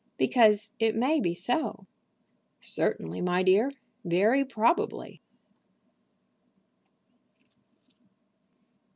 "Because it may be so." "Certainly, my dear; very probably."